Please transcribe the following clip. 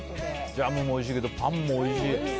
ジャムもおいしいけどパンもおいしい！